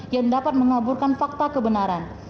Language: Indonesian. yang dapat mengaburkan fakta kebenaran